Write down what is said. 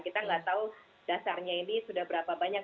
kita nggak tahu dasarnya ini sudah berapa banyak